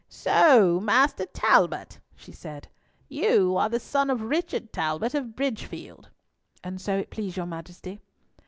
"So, Master Talbot," she said, "you are the son of Richard Talbot of Bridgefield." "An it so please your Majesty."